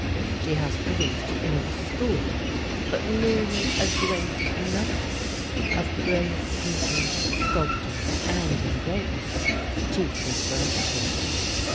She has produced no school, but merely a great number of brilliant painters, sculptors, and engravers, chiefly for export.